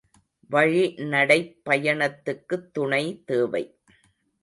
வழிநடைப் பயணத்துக்குத் துணை தேவை.